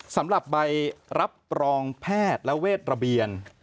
สำหรับใบรับรองแพทย์และเวทระเบียน